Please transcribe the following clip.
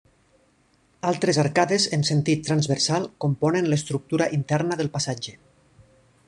Altres arcades en sentit transversal componen l'estructura interna del passatge.